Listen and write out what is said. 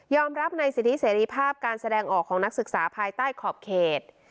รับในสิทธิเสรีภาพการแสดงออกของนักศึกษาภายใต้ขอบเขต